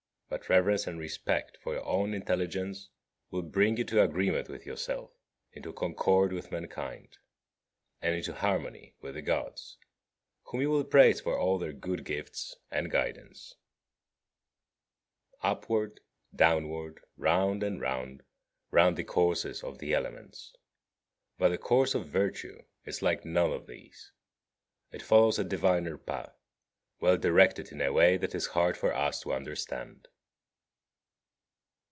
But reverence and respect for your own intelligence will bring you to agreement with yourself, into concord with mankind, and into harmony with the Gods, whom you will praise for all their good gifts and guidance. 17. Upward, downward, round and round run the courses of the elements. But the course of virtue is like none of these; it follows a diviner path, well directed in a way that is hard for us to understand.